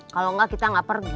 kalau enggak kita nggak pergi